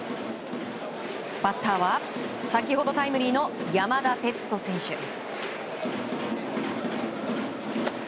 バッターは、先ほどタイムリーの山田哲人選手。